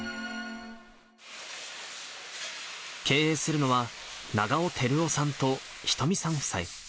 経営するのは、長尾輝雄さんとひとみさん夫妻。